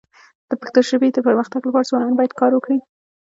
د پښتو ژبي د پرمختګ لپاره ځوانان باید کار وکړي.